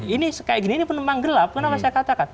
ini kayak gini ini penumpang gelap kenapa saya katakan